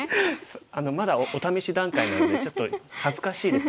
あのまだお試し段階なのでちょっと恥ずかしいです